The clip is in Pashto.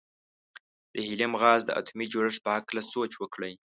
د هیلیم غاز د اتومي جوړښت په هکله سوچ وکړئ.